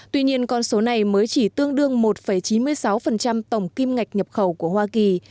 tuy nhiên con số này mới chỉ tương đương một chín mươi sáu tổng kim ngạch nhập khẩu của hoa kỳ